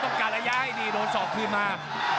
ต้องการระยะให้ดีโดนสองคืนมา